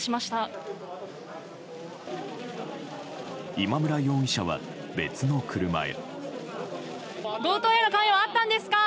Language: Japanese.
今村容疑者は別の車へ。